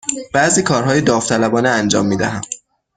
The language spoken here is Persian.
بعضی کارهای داوطلبانه انجام می دهم.